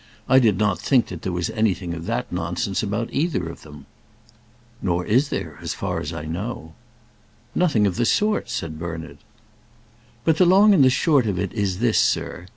I did not think that there was anything of that nonsense about either of them." "Nor is there, as far as I know." "Nothing of the sort," said Bernard. "But the long and the short of it is this, sir!"